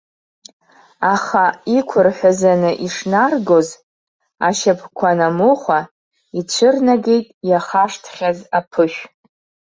Аха иқәырҳәазаны ишнаргоз, ашьапқәа анамыхәа, ицәырнагеит иахашҭхьаз аԥышә.